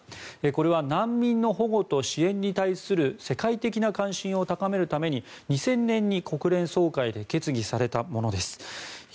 これは難民の保護と支援に対する世界的な関心を高めるために、２０００年に国連総会で決議されたものです。